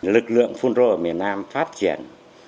lực lượng fungro ở miền nam phát triển